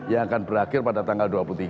yang akan berakhir pada tanggal dua puluh tiga